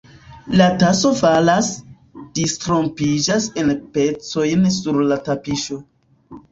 La taso falas, disrompiĝas en pecojn sur la tapiŝo.